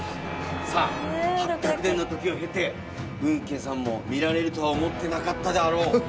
８００年の時を経て運慶さんも見られるとは思ってなかったであろう。